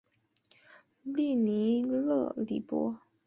利尼勒里博。